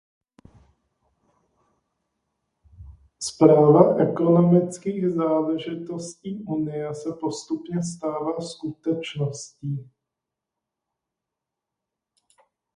Správa ekonomických záležitostí Unie se postupně stává skutečností.